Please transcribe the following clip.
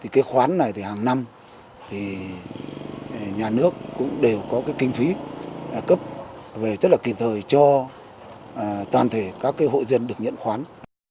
cái khoán này hàng năm nhà nước cũng đều có kinh phí cấp về rất là kịp thời cho toàn thể các hội dân được nhận khoán